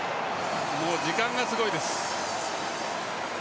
もう時間がすごいです。